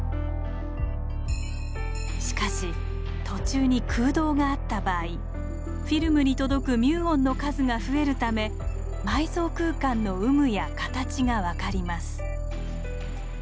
しかし途中に空洞があった場合フィルムに届くミューオンの数が増えるため埋葬空間の有無や形が分かります。